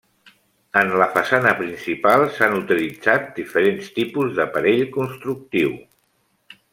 En la façana principal s'han utilitzat diferents tipus d'aparell constructiu.